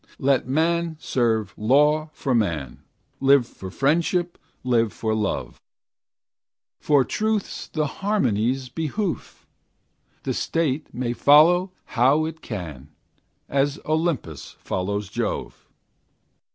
Let man serve law for man; Live for friendship, live for love, For truth's and harmony's behoof; The state may follow how it can, As Olympus follows Jove.